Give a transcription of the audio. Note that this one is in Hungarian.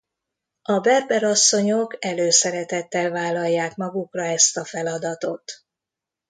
A berber asszonyok előszeretettel vállalják magukra ezt a feladatot.